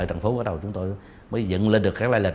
từ vợ trần phú bắt đầu chúng tôi mới dựng lên được các loại lịch